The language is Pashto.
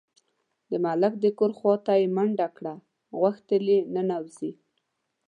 د ملک د کور خواته یې منډه کړه، غوښتل یې ننوځي.